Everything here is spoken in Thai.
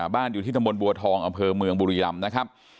บ้านอยู่ที่ทะมนต์บัวทองอำเภอเมืองบุรีหล่ำนะครับ